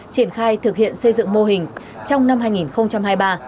triển khai thực hiện xây dựng mô hình trong năm hai nghìn hai mươi ba